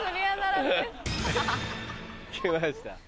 来ました。